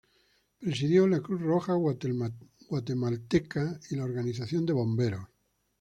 Presidió la Cruz Roja Guatemalteca y la Organización de Bomberos.